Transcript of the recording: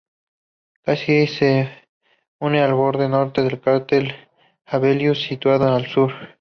Casi se une al borde norte del cráter Hevelius, situado al sur.